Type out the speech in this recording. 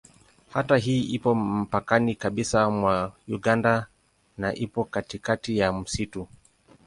Kata hii ipo mpakani kabisa mwa Uganda na ipo katikati ya msitu.